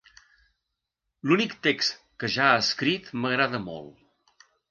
L'únic text que ja ha escrit m'agrada molt.